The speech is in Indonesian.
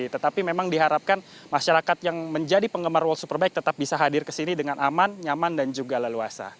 tetapi memang diharapkan masyarakat yang menjadi penggemar world superbike tetap bisa hadir ke sini dengan aman nyaman dan juga leluasa